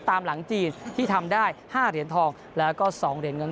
ตามหลังจีนที่ทำได้๕เหรียญทองแล้วก็๒เหรียญเงิน